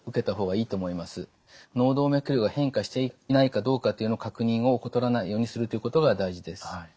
脳動脈瘤が変化していないかどうかという確認を怠らないようにするということが大事です。